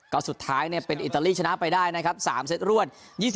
ก็สุดท้ายเป็นอิตาลีชนะไปได้นะครับ๓เซตรวด